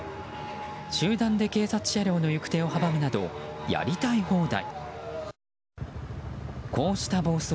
集団で警察車両の行く手を阻むなど、やりたい放題。